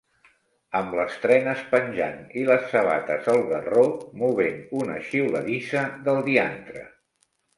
Amb les trenes penjant i les sabates al garró, movent una xiuladissa del diantre.